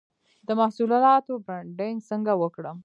د محصولاتو برنډینګ څنګه وکړم؟